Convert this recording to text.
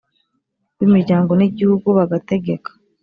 b’imiryango n’igihugu bagategeka